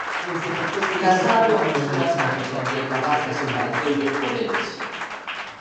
Casado acusou a Sánchez de acabar coa separación dos poderes.